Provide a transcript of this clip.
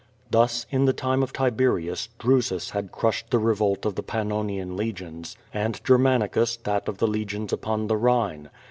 Thus, in the time of Tiberius, Drusua had crushed the revolt of the Pannonian Legions, and Ger marikus that of the Legions upon the Rhine.